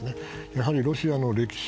やはり、ロシアの歴史